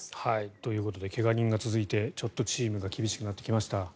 ということで怪我人が続いてちょっとチームが厳しくなってきました。